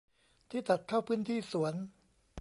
ที่ตัดเข้าพื้นที่สวน